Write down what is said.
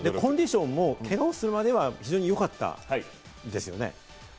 コンディションも怪我をそれまではすごくよかった。ですよね。